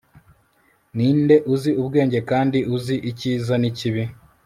ninde uzi ubwenge kandi uzi icyiza nikibi